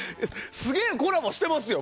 すげえコラボしてますよ。